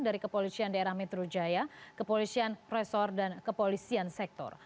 dari kepolisian daerah metro jaya kepolisian resor dan kepolisian sektor